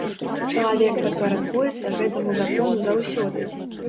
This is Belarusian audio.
Чалавек падпарадкуецца гэтаму закону заўсёды.